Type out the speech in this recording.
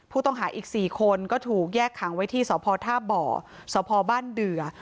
ผู้ต้องหาอีก๔คนก็ถูกแยกขังไว้ที่สพท่าบ่อสพบ้านเดือ